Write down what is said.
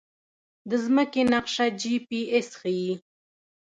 د ځمکې نقشه جی پي اس ښيي